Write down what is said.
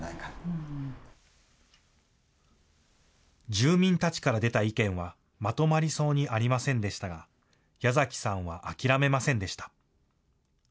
住民たちから出た意見はまとまりそうにありませんでしたが矢崎さんは諦めませんでした。